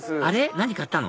何買ったの？